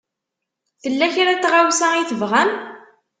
Tella kra n tɣawsa i tebɣamt?